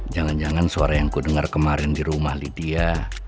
jangan jangan suara yang kudengar kemarin di rumah lydia